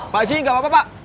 pak aji enggak apa apa pak